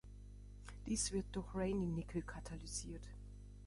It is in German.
Dies wird durch Raney-Nickel katalysiert.